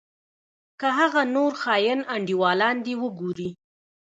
که هغه نور خاين انډيوالان دې وګورې.